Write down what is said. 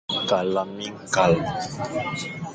Kala miñkal.